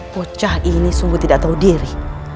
bocah ini sungguh tidak tahu diri